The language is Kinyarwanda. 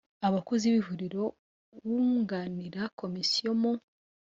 abakozi b ihuriro uwunganira komisiyo mu